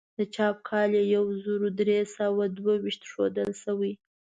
د چاپ کال یې یو زر درې سوه دوه ویشت ښودل شوی.